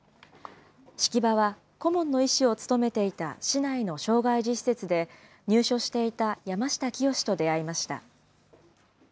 式場は、顧問の医師を務めていた市内の障害児施設で入所していた山下清と出会いました。